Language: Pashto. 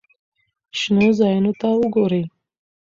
شنو ځایونو ته وګورئ.